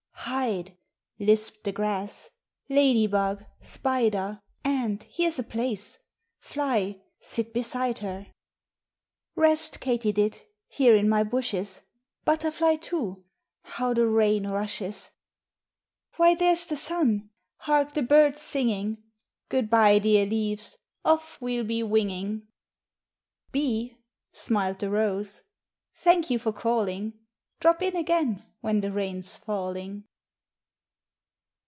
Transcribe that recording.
"Hide," lisped the grass, "Lady bug, spider; Ant, here's a place; Fly, sit beside her." "Rest, katydid, Here in my bushes; Butterfly, too; How the rain rushes!" Why, there's the sun! Hark the birds singing, "Good by, dear leaves, Off we'll be winging." "Bee," smiled the rose, "Thank you for calling; Drop in again When the rain's falling."